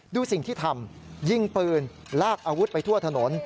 ดูสิ่งที่ทำยิงปืนลากอาวุธไปทั่วถนน